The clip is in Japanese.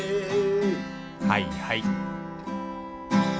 はいはい。